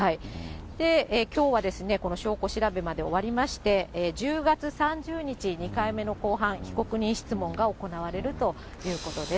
きょうはですね、この証拠調べまで終わりまして、１０月３０日、２回目の公判、被告人質問が行われるということです。